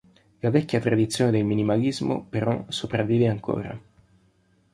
La vecchia tradizione del minimalismo però sopravvive ancora.